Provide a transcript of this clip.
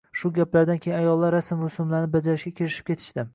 Shu gaplardan keyin ayollar rasm-rusumlarni bajarishga kirishib ketishdi